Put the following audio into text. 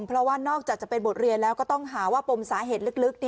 เพราะว่านอกจากจะเป็นบทเรียนแล้วก็ต้องหาว่าปมสาเหตุลึก